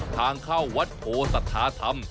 ทางเข้าวัดโพสัทธาธรรม